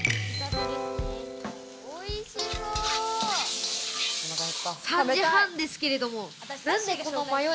おいしそう！